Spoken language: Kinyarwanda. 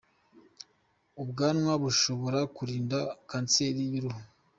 Ubwanwa bushobora kurinda Kanseri y’uruhu